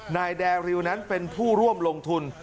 นายแดริวนั้นเป็นผู้ร่วมลงทุน